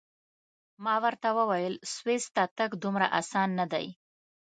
ما ورته وویل: سویس ته تګ دومره اسان نه دی.